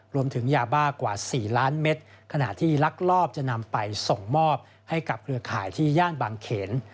รวมถึงยาบ้ากว่า๔ล้านเม็ดขณะที่ลักลอบจะนำไปส่งมอบให้กับเครือข่ายที่ย่านบางเขน